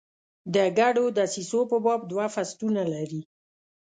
د ګډو دسیسو په باب دوه فصلونه لري.